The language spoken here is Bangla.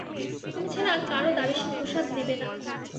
তুমি ছাড়া আর-কারো দ্বারে সে প্রসাদ নেবে না।